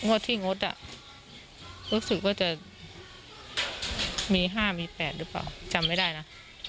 ที่งดอ่ะรู้สึกว่าจะมี๕มี๘หรือเปล่าจำไม่ได้นะ